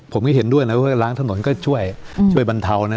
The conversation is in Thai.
ผมก็เห็นด้วยนะว่าล้างถนนก็ช่วยช่วยบรรเทานะ